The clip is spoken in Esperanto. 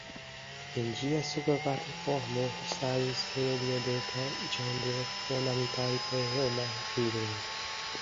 En ĝia supra platformo staris serio de ĉambroj ornamitaj per homaj figuroj.